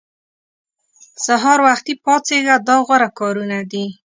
سهار وختي پاڅېږه دا غوره کارونه دي.